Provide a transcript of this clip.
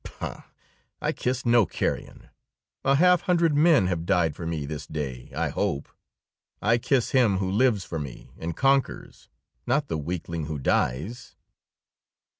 Pah! I kiss no carrion. A half hundred men have died for me this day, I hope. I kiss him who lives for me and conquers, not the weakling who dies!"